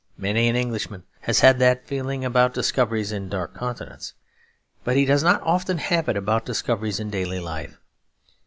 Many an Englishman has had that feeling about discoveries in dark continents; but he does not often have it about discoveries in daily life.